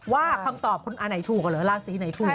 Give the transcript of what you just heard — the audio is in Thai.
ว่าคำตอบอ๋านายถูกหรือล่าสีให้ถูก